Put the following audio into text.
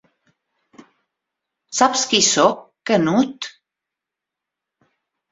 ¿Saps qui sóc, Canut?